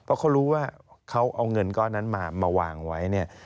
เพราะเขารู้ว่าเขาเอาเงินก้อนนั้นมาวางไว้เนี่ย